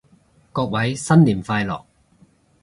各位新年快樂